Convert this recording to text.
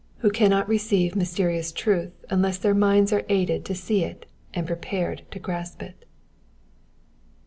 who cannot rcccivo mysterious truth unless their minds are aided to see it and prepared to grasp it.